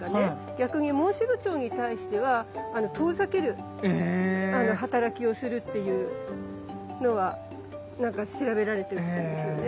逆にモンシロチョウに対しては遠ざける働きをするっていうのはなんか調べられているんですよね。